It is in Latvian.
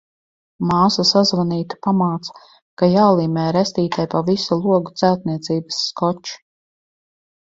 Māsa sazvanīta pamāca, ka jālīmē restītē pa visu logu celtniecības skočs.